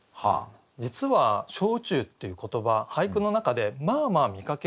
実は「小宇宙」っていう言葉俳句の中でまあまあ見かけるんですね。